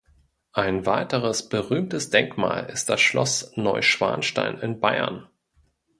Ein weiteres berühmtes Denkmal ist das Schloss Neuschwanstein in Bayern.